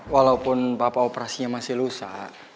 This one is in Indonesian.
walaupun papa operasinya masih lusa